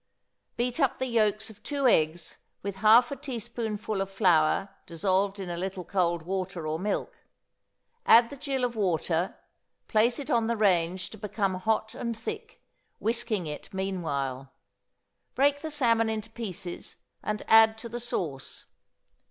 Beat up the yolks of two eggs with half a teaspoonful of flour dissolved in a little cold water or milk: add the gill of water, place it on the range to become hot and thick, whisking it meanwhile; break the salmon into pieces, and add to the sauce.